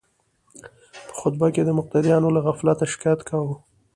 په خطبه کې د مقتدیانو له غفلته شکایت کاوه.